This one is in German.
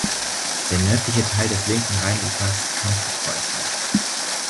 Der nördliche Teil des linken Rheinufers kam zu Preußen.